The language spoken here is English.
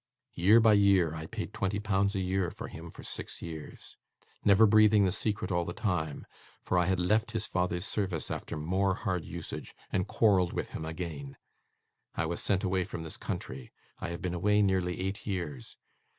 Year by year, I paid twenty pounds a year for him for six years; never breathing the secret all the time; for I had left his father's service after more hard usage, and quarrelled with him again. I was sent away from this country. I have been away nearly eight years.